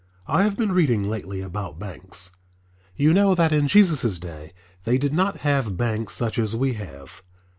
I have been reading lately about banks. You know that in Jesus' day they did not have banks such as we have.